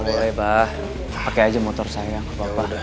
boleh bah pakai aja motor saya bapak